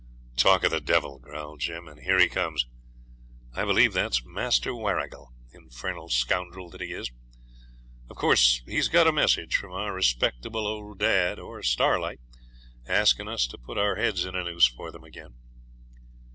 'Talk of the devil!' growled Jim, 'and here he comes. I believe that's Master Warrigal, infernal scoundrel that he is. Of course he's got a message from our respectable old dad or Starlight, asking us to put our heads in a noose for them again.'